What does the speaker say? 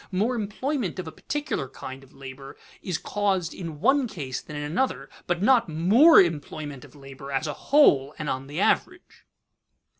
More employment of a particular kind of labor is caused in one case than in another, but not more employment of labor as a whole and on the average.